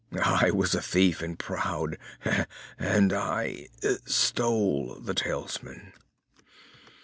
"I was a thief, and proud. And I stole the talisman."